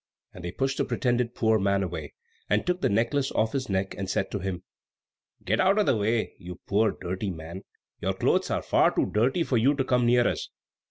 and they pushed the pretended poor man away, and took the necklace off his neck, and said to him, "Get out of the way, you poor, dirty man. Your clothes are far too dirty for you to come near us!"